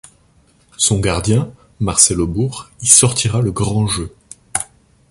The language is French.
Son gardien, Marcel Aubour y sortira le grand jeu.